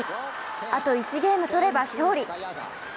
あと１ゲームとれば勝利。